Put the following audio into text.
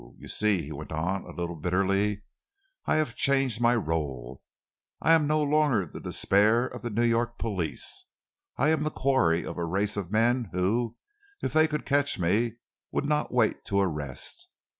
You see," he went on, a little bitterly, "I have changed my role. I am no longer the despair of the New York police. I am the quarry of a race of men who, if they could catch me, would not wait to arrest.